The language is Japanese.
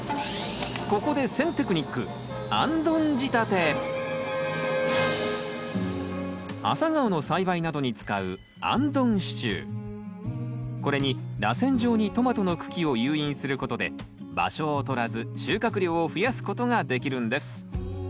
ここでアサガオの栽培などに使うこれにらせん状にトマトの茎を誘引することで場所をとらず収穫量を増やすことができるんです。